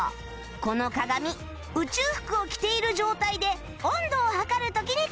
この鏡宇宙服を着ている状態で温度を測る時に活躍するよ